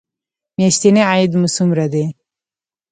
میاشتنی عاید مو څومره دی؟